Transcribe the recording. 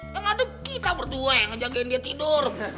yang ngadep kita berdua yang ngejagain dia tidur